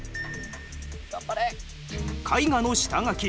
頑張れ！